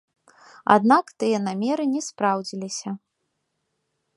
Аднак тыя намеры не спраўдзіліся.